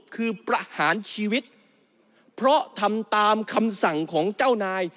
คือประหารชีวิตเพราะทำตามคำสั่งของเจ้านาย